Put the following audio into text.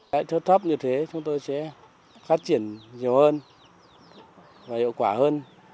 lãi suất thấp như thế chúng tôi sẽ phát triển nhiều hơn và hiệu quả hơn